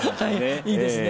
いいですね。